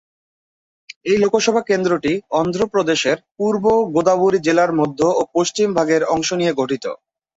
এই লোকসভা কেন্দ্রটি অন্ধ্রপ্রদেশের পূর্ব গোদাবরী জেলার মধ্য ও পশ্চিম ভাগের অংশ নিয়ে গঠিত।